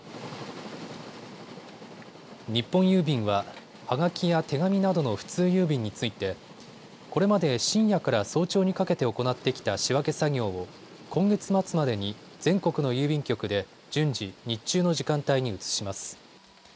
日本郵便は、はがきや手紙などの普通郵便についてこれまで深夜から早朝にかけて行ってきた仕分け作業を今月末までに全国の郵便局で順次日中の時間帯に移します。